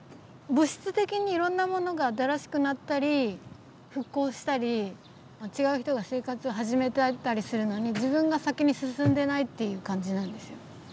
物質的にいろんなものが新しくなったり復興したり違う人が生活を始めてたりするのに自分が先に進んでないっていう感じなんですよ。